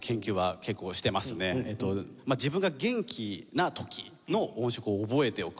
自分が元気な時の音色を覚えておくとか。